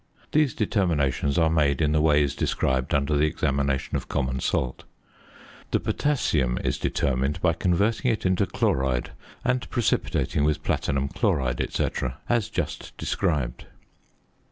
These determinations are made in the ways described under the examination of common salt. The ~potassium~ is determined by converting it into chloride and precipitating with platinum chloride, &c., as just described.